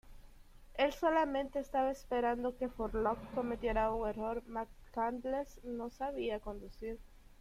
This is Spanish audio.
Él solamente está esperado que Furlong cometiera un error: McCandless no sabía conducir.